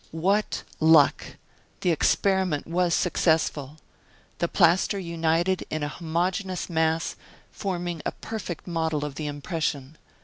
What luck! the experiment was successful! The plaster united in a homogeneous mass, forming a perfect model of the impression.